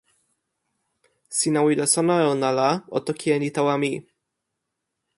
sina wile sona e ona la o toki e ni tawa mi.